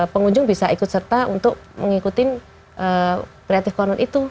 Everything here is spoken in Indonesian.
pengunjung bisa ikut serta untuk mengikuti creative corner itu